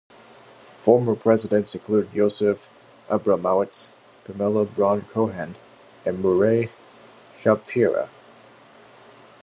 Former presidents include Yosef Abramowitz, Pamela Braun Cohen, and Morey Schapira.